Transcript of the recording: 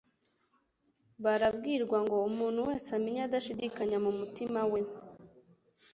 barabwirwa ngo: «Umuntu wese amenye adashidikanya mu mutima we.»